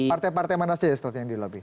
partai partai mana saja strategi yang dilobi